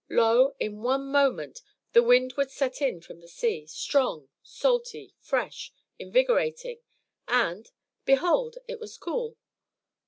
lo, in one moment the wind would set in from the sea, strong, salty, fresh, invigorating; and, behold, it was cool!